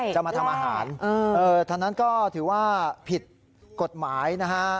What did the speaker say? จะมาทำอาหารทางนั้นก็ถือว่าผิดกฎหมายนะฮะ